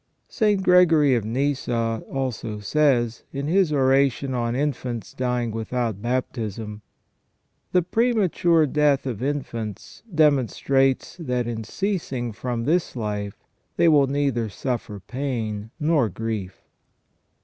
St. Gregory of Nyssa also says, in his Oration on Infants dying without baptism :" The premature death of infants demonstrates that in ceasing from this life they will neither suffer pain nor grief".